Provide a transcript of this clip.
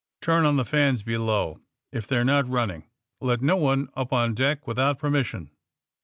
Turn on the fans below if they 're not run ning. Let no one up on deck without permis sion."